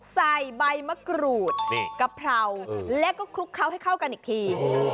ใส่ใบมะกรูดกะเพราแล้วก็คลุกเคล้าให้เข้ากันอีกที